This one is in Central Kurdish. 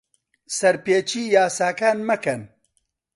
سەرپێچیی یاساکان مەکەن.